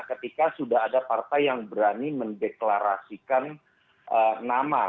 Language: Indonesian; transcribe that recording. ketika sudah ada partai yang berani mendeklarasikan nama